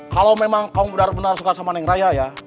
kalo memang kamu bener bener suka sama neng raya ya